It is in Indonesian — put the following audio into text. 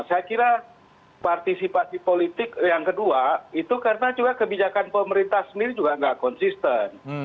saya kira partisipasi politik yang kedua itu karena juga kebijakan pemerintah sendiri juga nggak konsisten